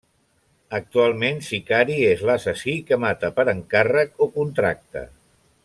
Actualment sicari és l'assassí que mata per encàrrec o contracte.